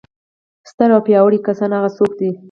ستر او پیاوړي کسان هغه څوک دي.